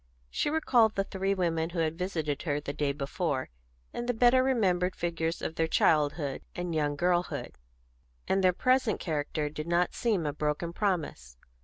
She recalled the three women who had visited her the day before, in the better remembered figures of their childhood and young girlhood; and their present character did not seem a broken promise.